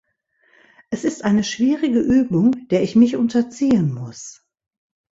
Es ist eine schwierige Übung, der ich mich unterziehen muss.